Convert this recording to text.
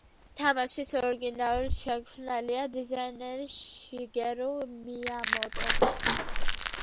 თამაშის ორიგინალური შემქმნელია დიზაინერი შიგერუ მიამოტო.